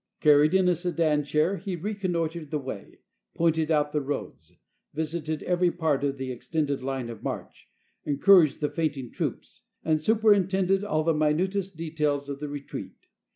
Carried in a sedan chair he reconnoitered the way, pointed out the roads, visited every part of the ex tended line of march, encouraged the fainting troops, and superintended all the minutest details of the retreat.